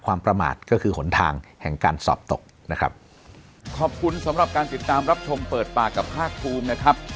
ความประมาทก็คือหนทางแห่งการสอบตกนะครับขอบคุณสำหรับการติดตามรับชมเปิดปากกับภาคภูมินะครับ